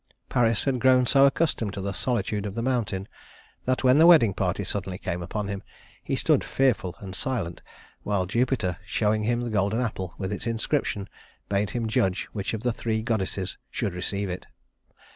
[Illustration: Paris] Paris had grown so accustomed to the solitude of the mountain that when the wedding party suddenly came upon him, he stood fearful and silent while Jupiter, showing him the golden apple with its inscription, bade him judge which of the three goddesses should receive it.